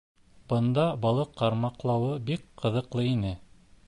Бында балыҡ ҡармаҡлауы бик ҡыҙыҡлы ине.